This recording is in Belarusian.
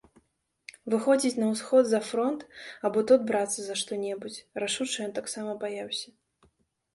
Выходзіць на ўсход за фронт або тут брацца за што-небудзь рашучае ён таксама баяўся.